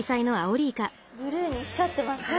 ブルーに光ってますね。